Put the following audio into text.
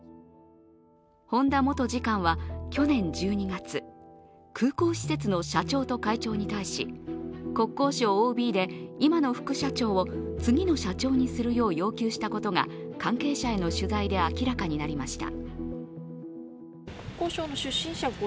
本田元次官は去年１２月、空港施設の社長と会長に対し国交省ＯＢで今の副社長を次の社長にするよう要求したことが関係者への取材で明らかになりました。